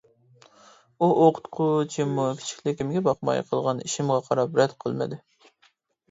ئۇ ئوقۇتقۇچىمۇ كىچىكلىكىمگە باقماي قىلغان ئىشىمغا قاراپ رەت قىلمىدى.